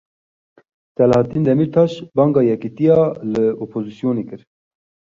Selahedîn Demirtaş banga yekitiyê li opozîsyonê kir.